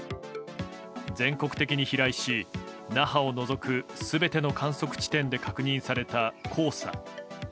全国的に飛来し、那覇を除く全ての観測地点で確認された黄砂。